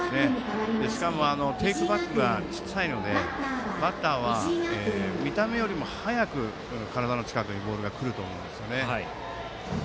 しかもテイクバックが小さいのでバッターは見た目よりも早く体の近くにボールが来ると思うんですね。